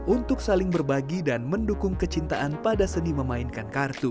untuk saling berbagi dan mendukung kecintaan pada seni memainkan kartu